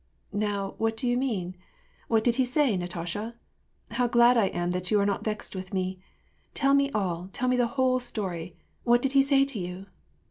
" Now, what do you mean ? What did he say, Natasha ? How glad I am that you are not vexed with me ! Tell me all, tell me the whole story. What did he say to you